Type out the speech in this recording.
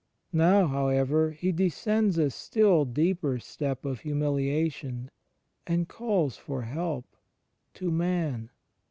Now, however. He descends a still deeper step of himiiliation, and calls for help, to man.